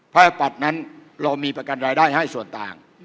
ปัตย์นั้นเรามีประกันรายได้ให้ส่วนต่าง